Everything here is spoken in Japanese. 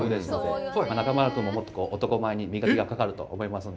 中丸君ももっと男前に磨きがかかると思いますので。